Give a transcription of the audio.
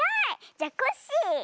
じゃコッシー！